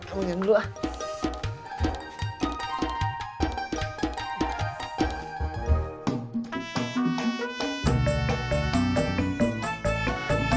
ambilin dulu ah